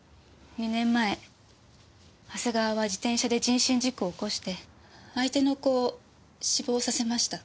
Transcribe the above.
２年前長谷川は自転車で人身事故を起こして相手の子を死亡させました。